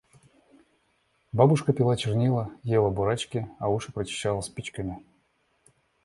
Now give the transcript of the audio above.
Бабушка пила чернила, ела бурачки, а уши прочищала спичками.